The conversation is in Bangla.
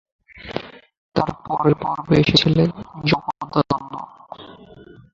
তার পরের পর্বে এসেছিলেন জগদানন্দ।